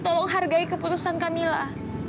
tolong hargai keputusan kak mila